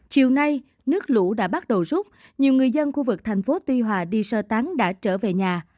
chiều nay nước lũ đã bắt đầu rút nhiều người dân khu vực thành phố tuy hòa đi sơ tán đã trở về nhà